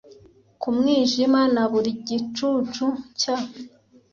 nku mwijima na buri gicucu cya